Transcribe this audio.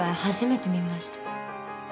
初めて見ました。